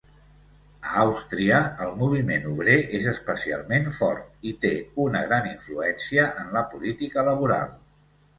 A Àustria, el moviment obrer és especialment fort i té una gran influència en la política laboral.